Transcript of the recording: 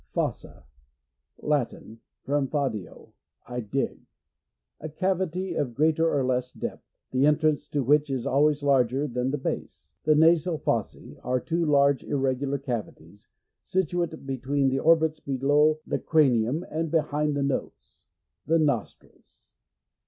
Fossa. — Latin. From fodio, I dig. A cavity of greater or less depth, the entrance to which is always larger than the base. The nasal fossa, are two large irregular cavi ties, situate between the orbits be low the cranium and behind the nose. The nostrils.